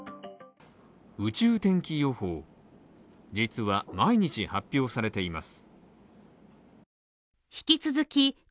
宇宙天気予報実は毎日発表されています。